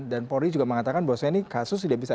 dia juga mengatakan bahwa ini kasus tidak bisa